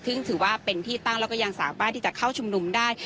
ซึ่งถือว่าเป็นที่ตั้งแล้วก็ยังสามารถที่จะเข้าชุมนุมได้